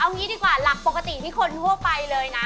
งี้ดีกว่าหลักปกติที่คนทั่วไปเลยนะ